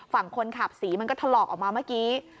ฝั่งคนขับสีมันก็ถลอกออกมาเมื่อกี้